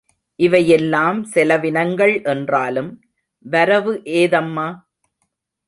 இவையெல்லாம் செலவினங்கள் என்றாலும் வரவு ஏதம்மா?